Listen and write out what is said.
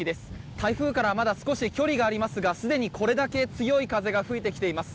台風からまだ少し距離がありますがすでにこれだけ強い風が吹いてきています。